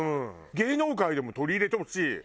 芸能界でも取り入れてほしい。